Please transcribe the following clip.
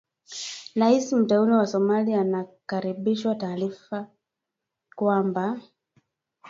Rais mteule wa Somalia anakaribisha taarifa kwamba